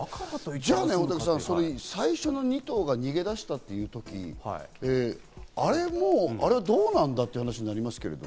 じゃあ大竹さん、最初の２頭が逃げ出したという時に、あれはどうなんだという話になりますけど。